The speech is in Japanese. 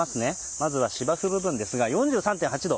まずは芝生部分ですが４３．８度。